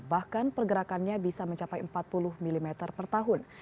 bahkan pergerakannya bisa mencapai empat puluh mm per tahun